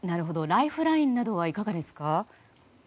ライフラインなどはいかがですか？